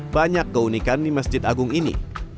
banyak keunikan di masjid agung ini